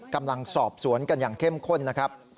กำลังสอบสวนกันอย่างเข้มข้นนะครับ